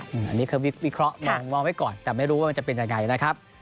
อันนี้คือวิเคราะห์มองไว้ก่อนแต่ไม่รู้ว่ามันจะเป็นยังไงนะครับ